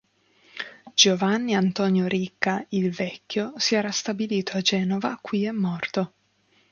Giovanni Antonio Ricca "il Vecchio" si era stabilito a Genova qui è morto.